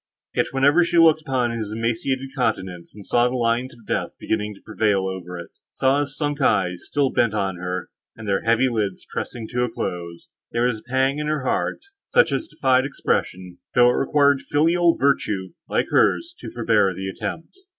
Yet, whenever she looked upon his emaciated countenance, and saw the lines of death beginning to prevail over it—saw his sunk eyes, still bent on her, and their heavy lids pressing to a close, there was a pang in her heart, such as defied expression, though it required filial virtue, like hers, to forbear the attempt.